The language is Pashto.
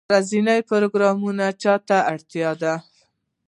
روزنیز پروګرامونه چا ته اړتیا دي؟